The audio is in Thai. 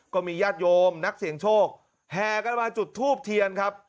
ก็มีญาติโยมนักเสี่ยงโชคแห่กันมาจุดทูบเทียนครับ